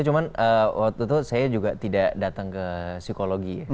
cuma waktu itu saya juga tidak datang ke psikologi